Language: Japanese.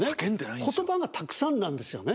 言葉がたくさんなんですよね。